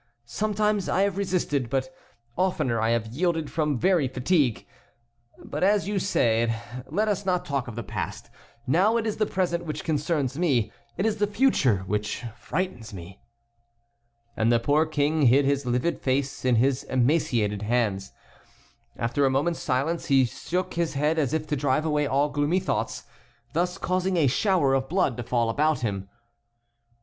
Sometimes I have resisted, but oftener I have yielded from very fatigue. But, as you said, let us not talk of the past. Now it is the present which concerns me; it is the future which frightens me." And the poor King hid his livid face in his emaciated hands. After a moment's silence he shook his head as if to drive away all gloomy thoughts, thus causing a shower of blood to fall about him.